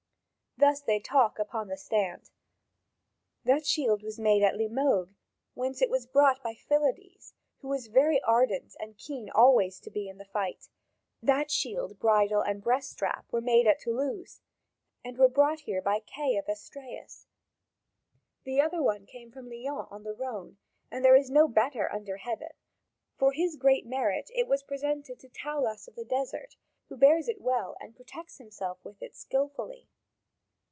Thus they talk up in the stand. "That shield was made at Limoges, whence it was brought by Pilades, who is very ardent and keen to be always in the fight. That shield, bridle, and breast strap were made at Toulouse, and were brought here by Kay of Estraus. The other came from Lyons on the Rhone, and there is no better under heaven; for his great merit it was presented to Taulas of the Desert, who bears it well and protects himself with it skilfully.